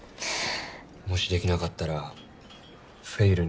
もしできなかったらフェイルに。